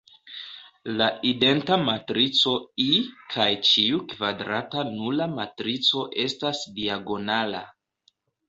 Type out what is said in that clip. La identa matrico "I" kaj ĉiu kvadrata nula matrico estas diagonala.